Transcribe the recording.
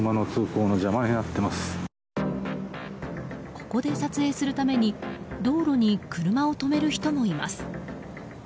ここで撮影するために道路に車を止める人もいます。